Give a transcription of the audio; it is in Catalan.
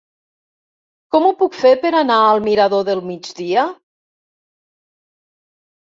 Com ho puc fer per anar al mirador del Migdia?